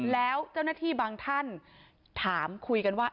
แล้วเจ้าหน้าที่บางท่านถามคุยกันว่า